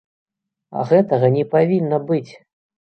А гэтага не павінна быць!